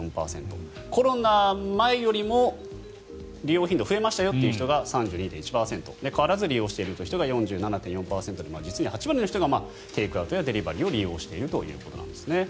コロナ前よりも利用頻度が増えましたという人が３２．１％変わらず利用している人が４７．４％で実に８割の人がテイクアウトやデリバリーを利用しているということです。